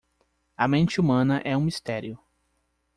A mente humana é um mistério